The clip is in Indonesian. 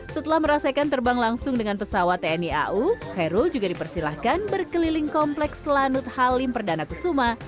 setelah merasakan terbang langsung dengan pesawat tni au khairul juga dipersilahkan berkeliling kompleks lanut halim perdana kusuma